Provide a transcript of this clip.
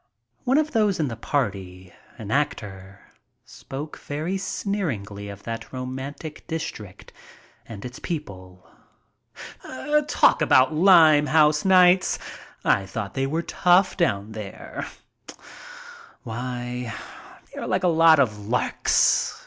One of those in the party, an actor, spoke very sneeringly of that romantic district and its people. "Talk about Limehouse nights. I thought they were tough down there. Why, they are like a lot of larks!"